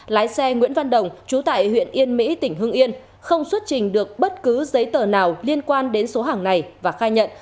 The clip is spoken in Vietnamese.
lái xe nguyễn văn đồng chú tại huyện yên mỹ tỉnh hưng yên không xuất trình được bất cứ giấy tờ nào liên quan đến số hàng này và khai nhận